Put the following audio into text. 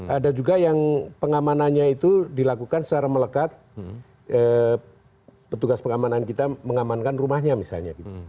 ada juga yang pengamanannya itu dilakukan secara melekat petugas pengamanan kita mengamankan rumahnya misalnya